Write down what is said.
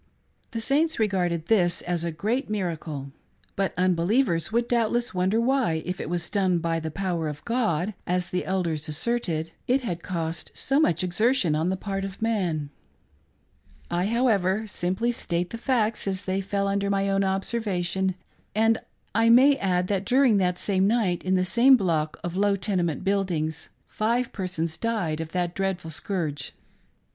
, The Saints regarded this as a great miracle ; but unbeliev ers would doubtless wonder why, if it was done by " the power of God "— as the Elders asserted — it had cost so much exertion on the part of man. I, however, simply state the facts as they fell under my own observation ; and I may add that, during that same night, in the same block of low tenement buildings, five persons died of that dreadful scourge.